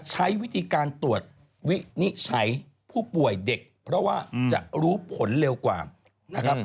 ใช้วิธีการตรวจวินิจฉัยผู้ป่วยเด็กเพราะว่าจะรู้ผลเร็วกว่านะครับ